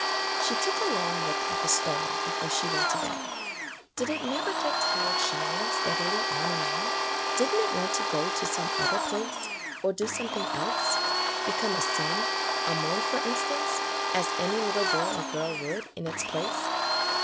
She took a long look at the star before she went to bed. Did it never get tired shining steadily on and on? Did n't it want to go to some other place, or do something else — become a sun, or moon for instance, as any little boy or girl would in its place?